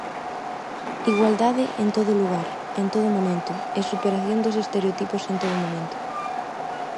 Igualdade en todo lugar, en todo momento, e superación dos estereotipos en todo momento.